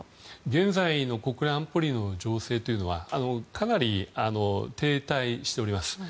現在の国連安保理の情勢はかなり停滞しております。